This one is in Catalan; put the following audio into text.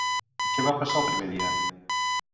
Què va passar el primer dia?